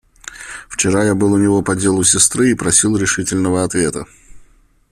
Вчера я был у него по делу сестры и просил решительного ответа.